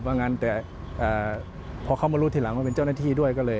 ว่างั้นแต่พอเขามารู้ทีหลังว่าเป็นเจ้าหน้าที่ด้วยก็เลย